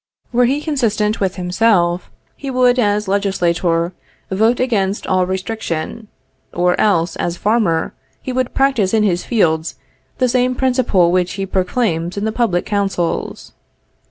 Were he consistent with himself, he would as legislator vote against all restriction; or else as farmer, he would practice in his fields the same principle which he proclaims in the public councils.